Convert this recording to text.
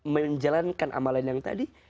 menjalankan amalan yang tadi